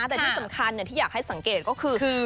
แต่ที่สำคัญที่อยากให้สังเกตก็คือ